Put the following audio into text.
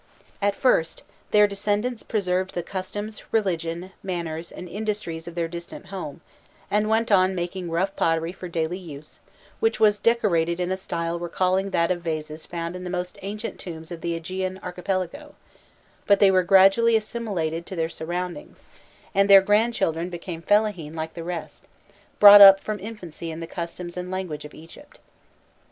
At first their descendants preserved the customs, religion, manners, and industries of their distant home, and went on making rough pottery for daily use, which was decorated in a style recalling that of vases found in the most ancient tombs of the Ægean archipelago; but they were gradually assimilated to their surroundings, and their grandchildren became fellahîn like the rest, brought up from infancy in the customs and language of Egypt.